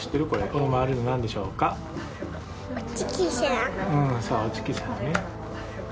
うんそうお月さんね。